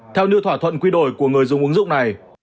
theo như thỏa thuận quy đổi của người dùng ứng dụng này